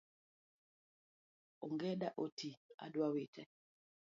Ongeda otii , adwa wite